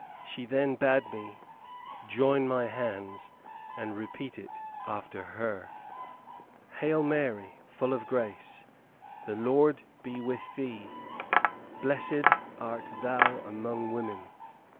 She then bade me join my hands, and repeat it after her. "Hail Mary! Full of grace! The Lord be with thee! Blessed art thou among women!